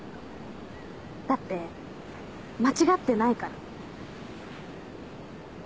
だって間違ってないから。